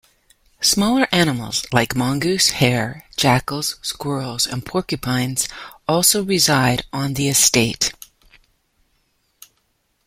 Smaller animals like mongoose, hare, jackals, squirrels and porcupines also reside on the estate.